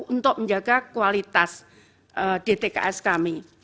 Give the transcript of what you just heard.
untuk menjaga kualitas dtks kami